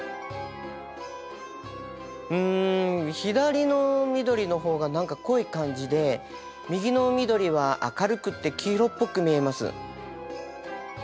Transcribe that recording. うん左の緑の方が何か濃い感じで右の緑は明るくて黄色っぽく見えます。